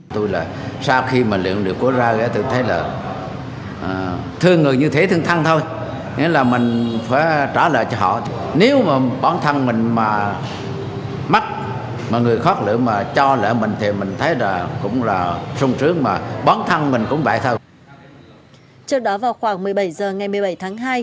trước đó vào khoảng một mươi bảy h ngày một mươi bảy tháng hai